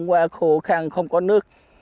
qua khô khăn không có nước